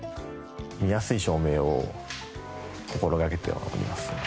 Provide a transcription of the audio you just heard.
見やすい照明を心がけてはおりますね。